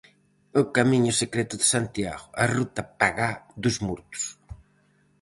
O camiño secreto de Santiago: a ruta pagá dos mortos.